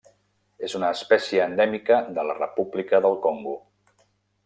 És una espècie endèmica de la República del Congo.